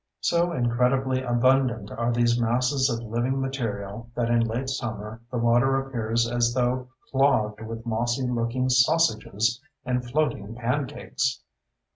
So incredibly abundant are these masses of living material that in late summer the water appears as though clogged with mossy looking sausages and floating pancakes.